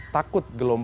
takut gelombang tsunami